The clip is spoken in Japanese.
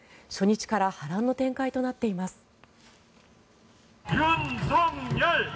初日から波乱の展開となっています。